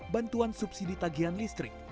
bantuan subsidi tagihan listrik